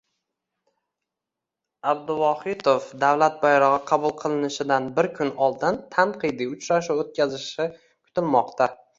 Abduvohitov davlat bayrog'i qabul qilinishidan bir kun oldin tanqidiy uchrashuv o'tkazishi kutilmoqda